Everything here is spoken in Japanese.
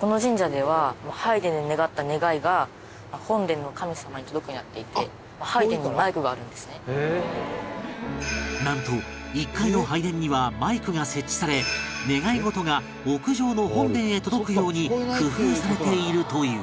この神社ではなんと１階の拝殿にはマイクが設置され願い事が屋上の本殿へ届くように工夫されているという